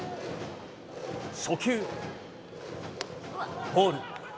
初球、ボール。